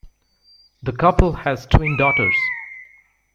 The couple has twin daughters.